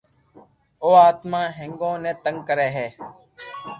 او آتما ھينگون ني تنگ ڪري ھي